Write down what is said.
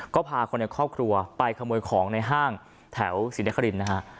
ก็พาคนในครอบครัวไปขโมยของในห้างแถวศรีนครินนะฮะ